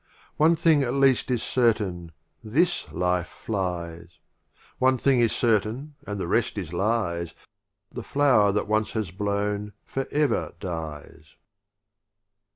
. One thing at least is certain — This Life flies; One thing is certain and the rest is Lies; The Flower that once has blown for ever dies.